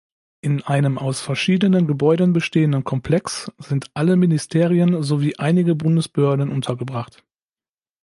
In einem aus verschiedenen Gebäuden bestehenden Komplex sind alle Ministerien sowie einige Bundesbehörden untergebracht.